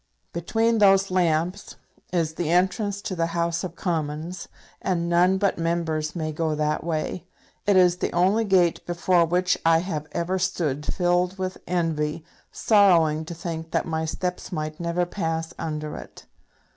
Between those lamps is the entrance to the House of Commons, and none but Members may go that way! It is the only gate before which I have ever stood filled with envy, sorrowing to think that my steps might never pass under it.